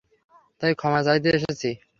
তাই, ক্ষমা চাইতে এসেছি।